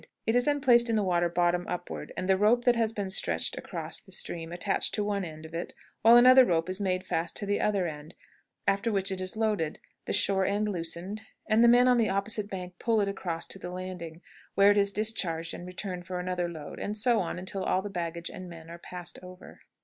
It is then placed in the water bottom upward, and the rope that has been stretched across the stream attached to one end of it, while another rope is made fast to the other end, after which it is loaded, the shore end loosened, and the men on the opposite bank pull it across to the landing, where it is discharged and returned for another load, and so on until all the baggage and men are passed over.